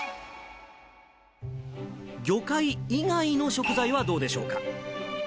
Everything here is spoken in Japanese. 魚介以外の食材はどうでしょうか。